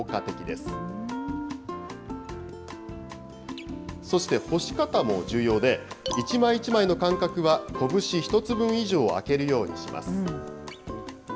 そして干し方も重要で、一枚一枚の間隔は拳１つ分以上空けるようにします。